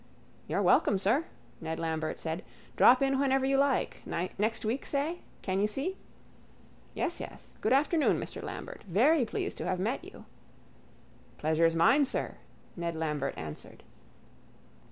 —You're welcome, sir, Ned Lambert said. Drop in whenever you like. Next week, say. Can you see? —Yes, yes. Good afternoon, Mr Lambert. Very pleased to have met you. —Pleasure is mine, sir, Ned Lambert answered.